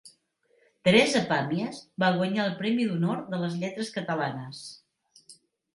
Teresa Pàmies va guanyar el Premi d'Honor de les Lletres catalanes.